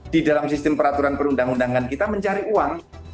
di dalam sistem peraturan perundang undangan kita mencari uang